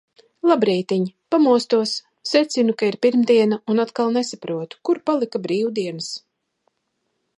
Labrītiņ! Pamostos, secinu, ka ir pirmdiena un atkal nesaprotu, kur palika brīvdienas.